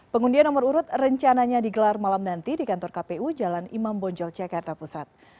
pengundian nomor urut rencananya digelar malam nanti di kantor kpu jalan imam bonjol jakarta pusat